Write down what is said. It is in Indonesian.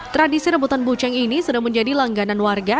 tradisi rebutan buceng ini sudah menjadi langganan warga